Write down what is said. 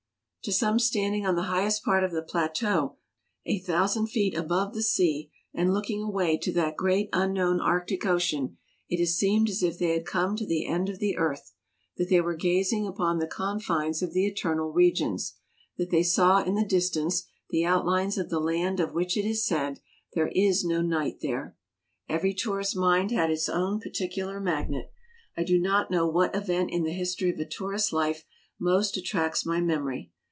To some standing on the highest part of the plateau, a thousand feet above the sea, and looking away to that great unknown Arctic Ocean, it has seemed as if they had come to the end of the earth ; that they were gazing upon the confines of the eternal regions ; that they saw in the distance the outlines of the land of which it is said, " There is no night there." Every tourist mind has its own particular magnet. I do not know what event in the history of a tourist life most attracts my memory.